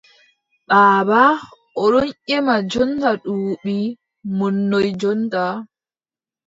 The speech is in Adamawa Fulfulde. Baaba, o ɗon ƴema jonta duuɓi mon noy jonta ?